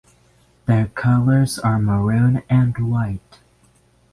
Their colors are maroon and white.